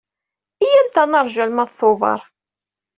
Iyyamt ad neṛju arma Tubeṛ.